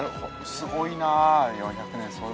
すごいなあ。